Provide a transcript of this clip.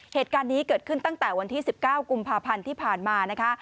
เหตุการณ์นี้เกิดขึ้นตั้งแต่วันที่๑๙กุมภาพันธ์ที่ผ่านมานะคะ